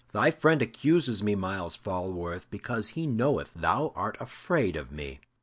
Thy friend accuses me, Myles Falworth, because he knoweth thou art afraid of me."